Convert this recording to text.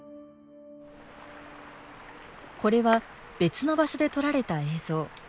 これは別の場所で撮られた映像。